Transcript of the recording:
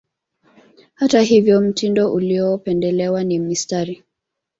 Hata hivyo mtindo uliopendelewa ni mistari